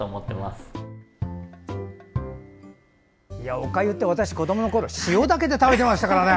おかゆって私が子どものころ塩だけで食べていましたからね。